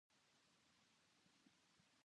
下品だなぁ、そうに決まってる